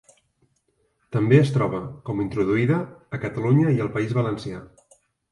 També es troba, com introduïda, a Catalunya i el País Valencià.